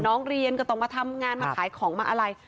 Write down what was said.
น้องเรียนก็ต้องมาทำงานมาขายของมาอะไร